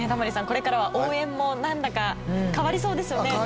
これからは応援もなんだか変わりそうですよね。